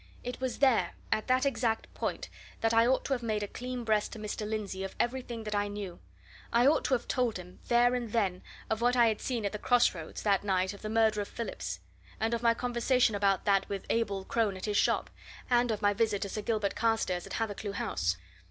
It was there, at that exact point, that I ought to have made a clean breast to Mr. Lindsey of everything that I knew. I ought to have told him, there and then, of what I had seen at the cross roads that night of the murder of Phillips; and of my conversation about that with Abel Crone at his shop; and of my visit to Sir Gilbert Carstairs at Hathercleugh House.